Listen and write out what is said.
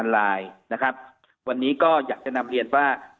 ๔๕๕๐๐๐ลายวันนี้ก็อยากจะนำเรียนว่า